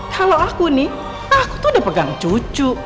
kalau aku nih aku tuh udah pegang cucu